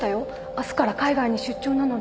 明日から海外に出張なので。